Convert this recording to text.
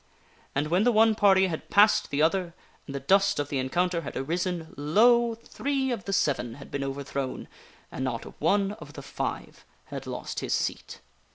And when the one party had passed the other, and the dust of the en counter had arisen, lo ! three of the seven had been overthrown, and not one of the five had lost his seat.